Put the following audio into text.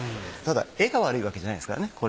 ただ絵が悪いわけじゃないですからね。